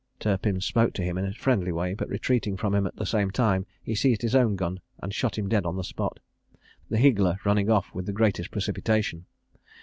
Turpin spoke to him in a friendly way, but retreating from him at the same time, he seized his own gun, and shot him dead on the spot, the higgler running off with the greatest precipitation.